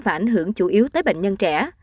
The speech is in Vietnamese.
và ảnh hưởng chủ yếu tới bệnh nhân trẻ